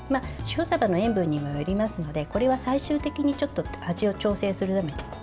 塩さばの塩分にもよりますので最終的に味を調整するために